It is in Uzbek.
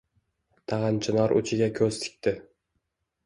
Tag‘in chinor uchiga ko‘z tikdi.